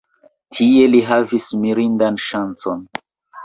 Tie li havis mirindan ŝancon.